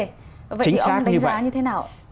vậy thì ông đánh giá như thế nào